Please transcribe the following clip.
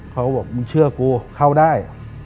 เขาบอกมึงเชื่อกูเข้าได้